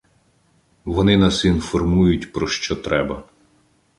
Вони нас інформують про що треба.